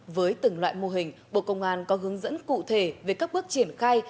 với từng loại mô hình bộ công an có hướng dẫn cụ thể về các bước triển khai